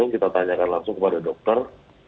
kita tanyakan langsung kepada dokter